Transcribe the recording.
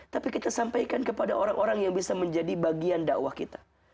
tapi kita sampaikan kepada orang orang yang bisa menjadi bagian dakwah kita